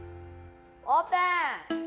オープン！